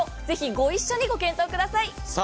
ぜひご一緒にご検討ください。